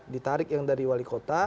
ditarik yang dari wali kota